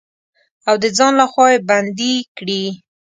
او د ځان لخوا يې بندې کړي.